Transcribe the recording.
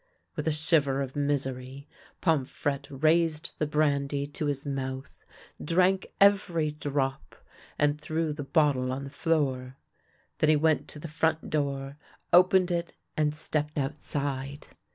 With a shiver of misery Pomfrette raised the brandy to his mouth, drank every drop, and threw the bottle on the floor. Then he went to the front door, opened it, and stepped outside.